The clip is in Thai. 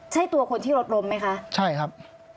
ใช่ตัวคนที่รถล้มไหมคะใช่ครับ